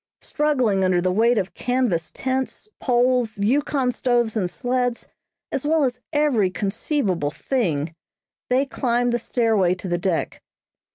Struggling under the weight of canvas tents, poles, Yukon stoves and sleds, as well as every conceivable thing, they climbed the stairway to the deck.